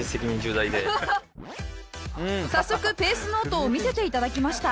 早速ペースノートを見せて頂きました